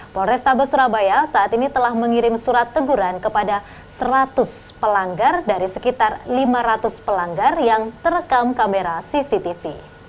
polrestabes surabaya saat ini telah mengirim surat teguran kepada seratus pelanggar dari sekitar lima ratus pelanggar yang terekam kamera cctv